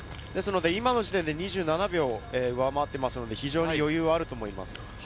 今の時点で２７秒、上回っているので、非常に余裕があると思います。